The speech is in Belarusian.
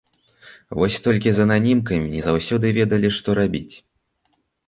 Вось толькі з ананімкамі не заўсёды ведалі, што рабіць.